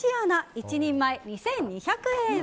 １人前２２００円。